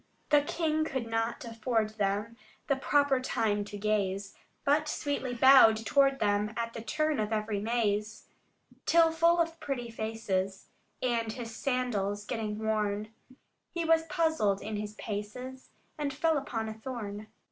The king could not afford them The proper time to gaze, But sweetly bowed toward them, At the turn of every maze: Till full of pretty faces, and his sandals getting worn, He was puzzled in his paces, and fell upon a thorn.